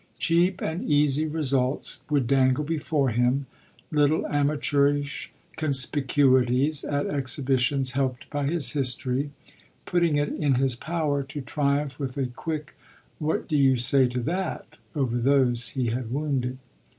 Cheap and easy results would dangle before him, little amateurish conspicuities at exhibitions helped by his history; putting it in his power to triumph with a quick "What do you say to that?" over those he had wounded.